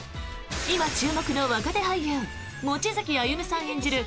今、注目の若手俳優望月歩さん演じる